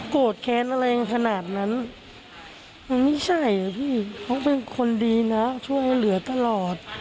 โกรธแค้นอะไรขนาดนั้นมันไม่ใช่อ่ะพี่เขาเป็นคนดีนะช่วยเหลือตลอด